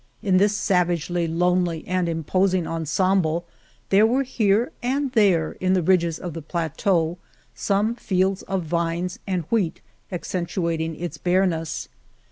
In this savagely lonely and imposing ensemble there were here and there, in the ridges of the plateau, some fields of vines and wheat accentuat ing its barrenness.